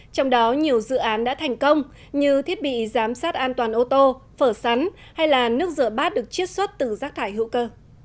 trong đó nhiều dự án đã thành công như thiết bị giám sát an toàn ô tô phở sắn hay là nước rửa bát được chiết xuất từ rác thải hữu cơ